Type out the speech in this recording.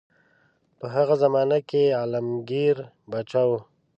په هغه زمانه کې عالمګیر پاچا وو.